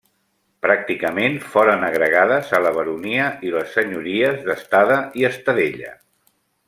Pràcticament foren agregades a la baronia les senyories d'Estada i Estadella.